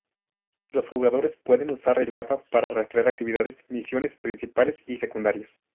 Los jugadores pueden usar el mapa para rastrear actividades, misiones principales y secundarias.